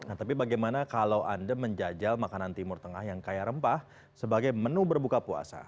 nah tapi bagaimana kalau anda menjajal makanan timur tengah yang kaya rempah sebagai menu berbuka puasa